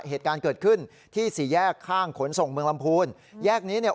เหตุการณ์เกิดขึ้นที่สี่แยกข้างขนส่งเมืองลำพูนแยกนี้เนี่ย